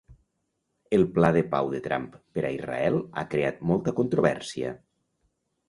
El pla de pau de Trump per a Israel ha creat molta controvèrsia